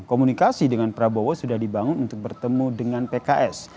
komunikasi dengan prabowo sudah dibangun untuk bertemu dengan pks